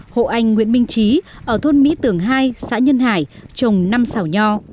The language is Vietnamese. hồ anh nguyễn minh trí ở thôn mỹ tường hai xã nhân hải trồng năm sảo nho